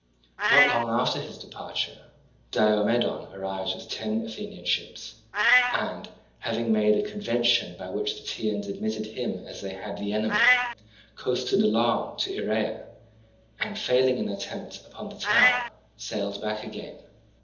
Not long after his departure Diomedon arrived with ten Athenian ships, and, having made a convention by which the Teians admitted him as they had the enemy, coasted along to Erae, and, failing in an attempt upon the town, sailed back again.